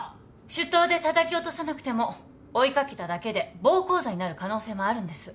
手刀でたたき落とさなくても追い掛けただけで暴行罪になる可能性もあるんです。